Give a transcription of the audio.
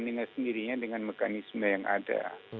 dia berjalan dengan mekanisme yang ada